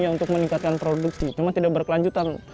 untuk meningkatkan produksi cuma tidak berkelanjutan